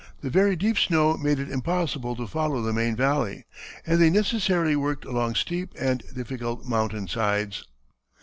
The very deep snow made it impossible to follow the main valley, and they necessarily worked along steep and difficult mountain sides.